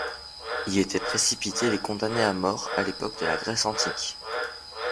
Y étaient précipités les condamnés à mort à l'époque de la Grèce antique.